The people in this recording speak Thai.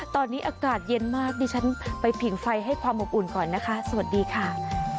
ตอนนี้อากาศเย็นมากดิฉันไปผิงไฟให้ความอบอุ่นก่อนนะคะสวัสดีค่ะ